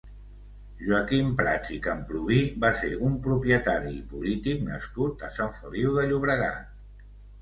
Joaquim Prats i Camprubí va ser un propietari i polític nascut a Sant Feliu de Llobregat.